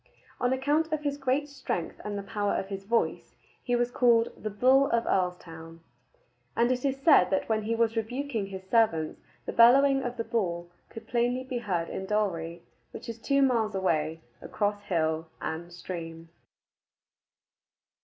On account of his great strength and the power of his voice, he was called "the Bull of Earlstoun," and it is said that when he was rebuking his servants the bellowing of the Bull could plainly be heard in Dalry, which is two miles away across hill and stream.